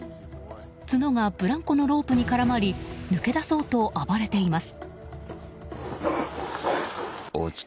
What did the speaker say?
角がブランコのロープに絡まり抜け出そうと暴れています。